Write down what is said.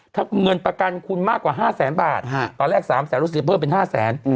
ถ้าเงินประกันคุณมากกว่า๕แสนบาทตอนแรก๓แสนรู้สึกเพิ่มเป็น๕แสน